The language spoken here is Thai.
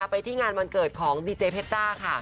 ไปที่งานวันเกิดของดีเจเพชจ้าค่ะ